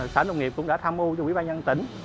sở nông nghiệp cũng đã tham mưu cho quỹ ban nhân tỉnh